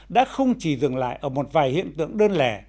đã không chỉ dừng lại ở một vài hiện tượng đơn lẻ